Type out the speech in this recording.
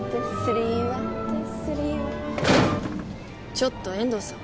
ちょっと遠藤さん。